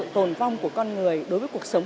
tồn vong của con người đối với cuộc sống